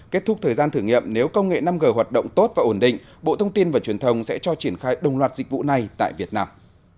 kết thúc thời gian thử nghiệm nếu công nghệ năm g hoạt động tốt và ổn định bộ thông tin và truyền thông sẽ cho triển khai đồng loạt dịch vụ này tại việt nam